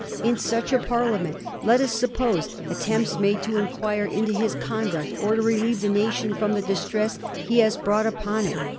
In such a Parliament let us suppose attempts made to inquire into his conduct or to relieve the nation from the distress he has brought upon it."